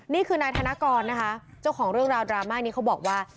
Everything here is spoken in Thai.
นี่คือนายธนกรนะคะเจ้าของเรื่องราวดราม่านี้เขาบอกว่า